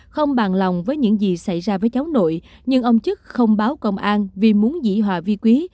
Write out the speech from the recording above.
không bàn lòng với những gì xảy ra với cháu nội nhưng ông chức không báo công an vì muốn dĩ hòa vi quý